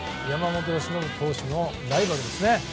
山本由伸投手のライバルですね。